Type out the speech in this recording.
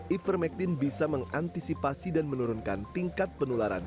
ivermectin bisa mengantisipasi dan menurunkan tingkat penularan